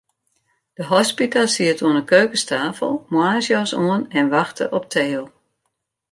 De hospita siet oan 'e keukenstafel, moarnsjas oan, en wachte op Theo.